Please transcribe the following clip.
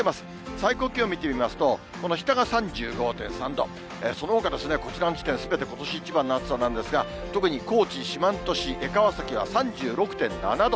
最高気温見てみますと、この日田が３５．３度、そのほかこちらの地点、すべてことし一番の暑さなんですが、特に高知・四万十市江川崎は３６．７度。